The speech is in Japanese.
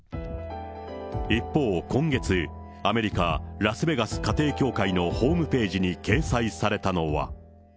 一方、今月、アメリカ・ラスベガス家庭教会のホームページに掲載されたのは。